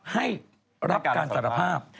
ให้รับการสารภาพ